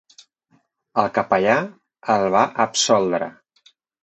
El capellà el va absoldre.